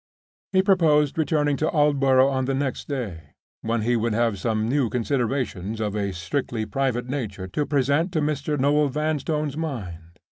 He proposed returning to Aldborough on the next day, when he would have some new considerations of a strictly private nature to present to Mr. Noel Vanstone's mind.